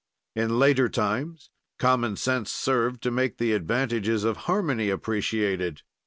In later times, common sense served to make the advantages of harmony appreciated.